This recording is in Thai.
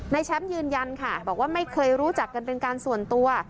แชมป์ยืนยันค่ะบอกว่าไม่เคยรู้จักกันเป็นการส่วนตัว